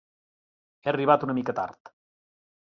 He arribat una mica tard.